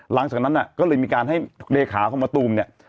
หลังจากนั้นก็เลยมีการให้เลขาของมะตูมเนี่ย